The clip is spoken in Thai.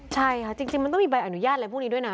ใช่ค่ะจริงมันต้องมีใบอนุญาตอะไรพวกนี้ด้วยนะ